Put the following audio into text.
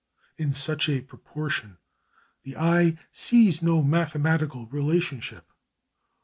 In such a proportion the eye sees no mathematical relationship.